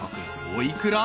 お幾ら？］